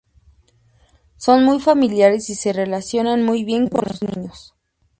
Son muy familiares y se relacionan muy bien con los niños.